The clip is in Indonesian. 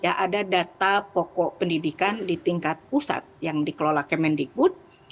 ya ada data pokok pendidikan di tingkat pusat yang dikelola kemendikbud